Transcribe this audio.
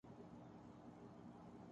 وہ افسوس کا اظہارکرتے ہیں